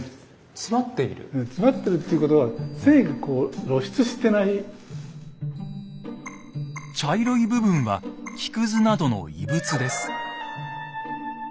詰まってるっていうことは茶色い部分は木くずなどの異物です。